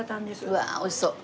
うわ美味しそう！